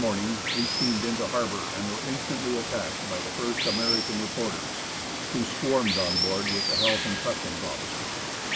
morning we steamed into harbour, and were instantly attacked by the first American reporters, who swarmed on board with the Health and Customs officers.